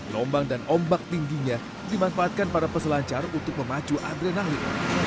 lombang dan ombak tingginya dimanfaatkan para peselancar untuk memacu adrenalin